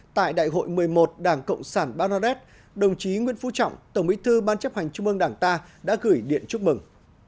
tại đại hội một mươi một đảng cộng sản bangladesh đồng chí nguyễn phú trọng tổng bí thư ban chấp hành trung ương đảng ta đã gửi điện chúc mừng